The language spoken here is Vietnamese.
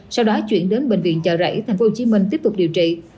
sau đó chuyển đến bệnh viện chợ rẫy thành phố hồ chí minh tiếp tục điều trị